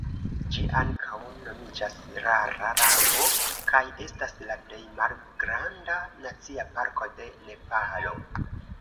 Ĝi ankaŭ nomiĝas Rara Lago, kaj estas la plej malgranda nacia parko de Nepalo.